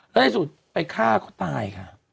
แล้วที่สุดไปฆ่าเขาตายค่ะ